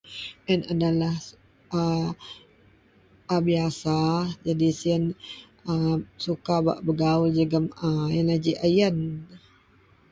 ien adalah a a biasa jadi sien a suka bak pegaul jegum a, ienlah ji a yen